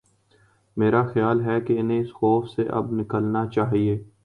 میرا خیال ہے کہ انہیں اس خوف سے اب نکلنا چاہیے۔